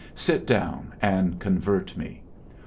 Sit down and convert me.